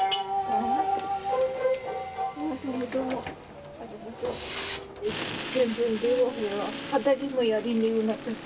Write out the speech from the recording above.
ありがとう。